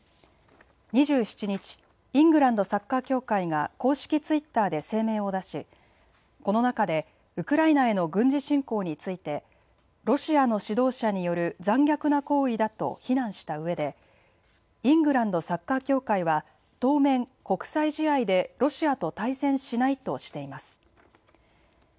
２７日、イングランドサッカー協会が公式ツイッターで声明を出しこの中でウクライナへの軍事侵攻についてロシアの指導者による残虐な行為だと非難したうえで、イングランドサッカー協会は当面、国際試合でロシアと対戦しないとしています。